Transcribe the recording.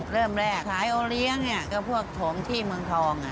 เริ่มแรกขายโอเลี้ยงก็พวกถมที่เมืองทอง